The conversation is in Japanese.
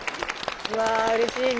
うわうれしいね。